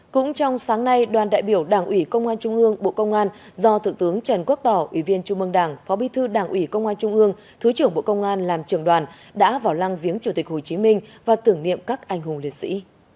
cũng trong sáng nay đoàn đại biểu đảng ủy công an trung ương bộ công an do thượng tướng trần quốc tỏ ủy viên trung mương đảng phó bi thư đảng ủy công an trung ương thứ trưởng bộ công an làm trưởng đoàn đã vào lăng viếng chủ tịch hồ chí minh và tưởng niệm các anh hùng liệt sĩ